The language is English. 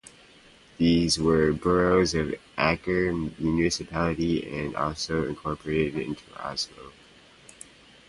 These were boroughs of Aker municipality which was incorporated into Oslo.